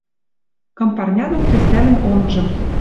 Кым парня доно хрестӓлӹн онгжым